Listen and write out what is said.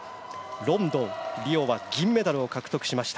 ロンドン、リオは銀メダルを獲得しました。